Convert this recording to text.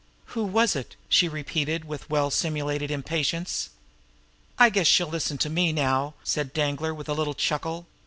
"Who was it?" she repeated with well simulated impatience. "I guess she'll listen to me now," said Danglar, with a little chuckle.